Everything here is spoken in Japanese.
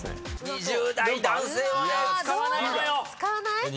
２０代男性はね使わないのよ！